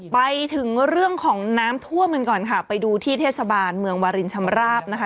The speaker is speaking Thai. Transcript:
ไปถึงเรื่องของน้ำท่วมกันก่อนค่ะไปดูที่เทศบาลเมืองวารินชำราบนะคะ